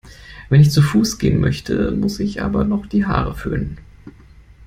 Wenn ich zu Fuß gehen möchte, muss ich aber noch die Haare föhnen.